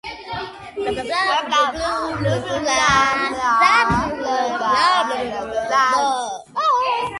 ამ თანამდებობაზე ყოფნისას მან ვეტო დაადო სენატის მიერ მიღებულ კეისრის წინააღმდეგ მიმართულ მრავალ გადაწყვეტილებას.